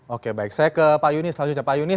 oke baik saya ke pak yunis selanjutnya